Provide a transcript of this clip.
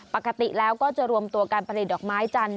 ปกติแล้วก็จะรวมตัวการประดิษฐ์ดอกไม้จันทร์